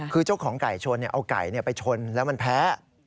คือเจ้าของไก่ชนเอาไก่ไปชนแล้วมันแพ้